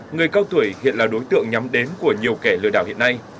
người cao tuổi hiện là đối tượng nhắm đến của nhiều kẻ lừa đảo hiện nay